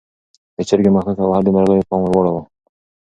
د چرګې مښوکه وهل د مرغیو پام ور واړاوه.